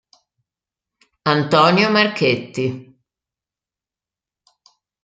Antonio Marchetti